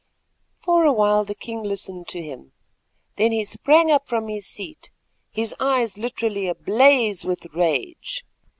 For a while the king listened to him, then he sprang from his seat, his eyes literally ablaze with rage.